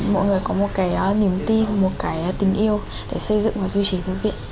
mọi người có một cái niềm tin một cái tình yêu để xây dựng và duy trì thư viện